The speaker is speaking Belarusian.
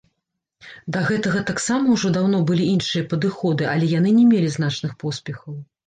Да гэтага таксама ўжо даўно былі іншыя падыходы, але яны не мелі значных поспехаў.